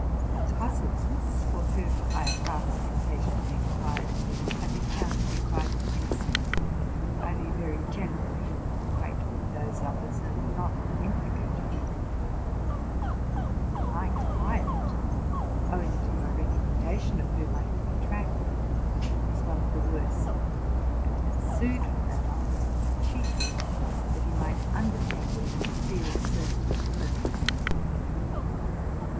'The cousins,. for whom I at last impatiently in quired, had been found to be quite innocent, only very generally acquainted with those others, and not at all impli sated with them. My client, owing to my recommendation of whom I had been tracked, was one of the worst, and had sued for that office chiefly that he might undertake or conceal certain villanies.